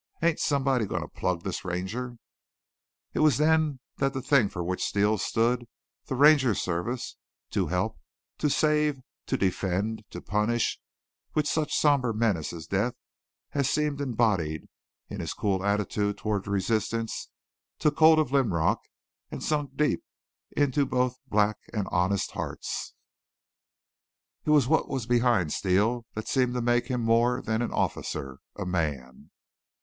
Ain't somebody goin' to plug this Ranger?" It was then that the thing for which Steele stood, the Ranger Service to help, to save, to defend, to punish, with such somber menace of death as seemed embodied in his cold attitude toward resistance took hold of Linrock and sunk deep into both black and honest hearts. It was what was behind Steele that seemed to make him more than an officer a man.